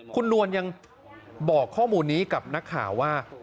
คุณนวลยังบอกข้อมูลนี้กับนักข่าวว่า